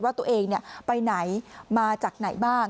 ว่าตัวเองไปไหนมาจากไหนบ้าง